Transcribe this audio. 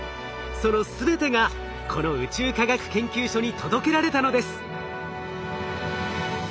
その全てがこの宇宙科学研究所に届けられたのです。